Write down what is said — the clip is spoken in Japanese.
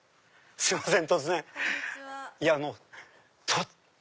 すいません